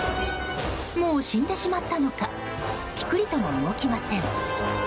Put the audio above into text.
もう死んでしまったのかピクリとも動きません。